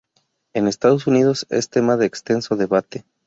En Estados Unidos es tema de extenso debate.